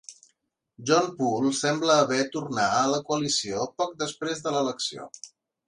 John Poole sembla haver tornar a la coalició poc després de l'elecció.